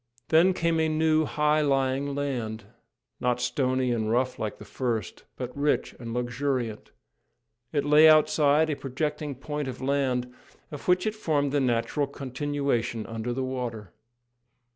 Then came a new, high lying land, not stony and rough like the first, but rich and luxuriant. It lay outside a projecting point of land, of which it formed the natural continuation under the water.